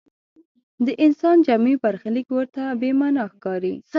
د انسان جمعي برخلیک ورته بې معنا ښکاري.